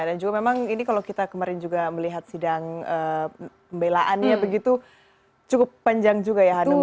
dan juga memang ini kalau kita kemarin juga melihat sidang pembelaannya begitu cukup panjang juga ya hanum